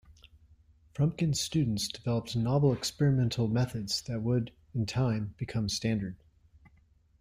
Frumkin's students developed novel experimental methods that would, in time, become standard.